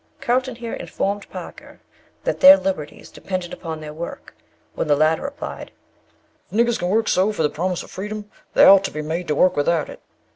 Carlton here informed Parker that their liberties depended upon their work; when the latter replied, "If niggers can work so for the promise of freedom, they ought to be made to work without it."